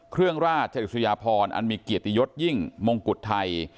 เครื่องราชชะอิสุริยาพรอันมีเกียรติยศยิ่งมงกุฏไทย